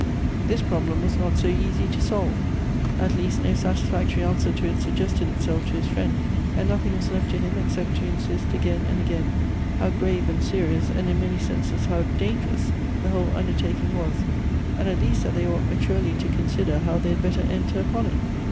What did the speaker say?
This problem was not so easy to solve ; at least, no satisfactory answer to it suggested itself to his friend, and nothing was left to him except to insist again and again, how grave and serious, and in many senses how danger ous, the whole undertaking was ; and at least that they ought maturely to consider how they had better enter upon it.